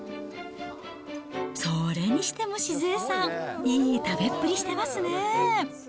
それにしても静恵さん、いい食べっぷりしてますね。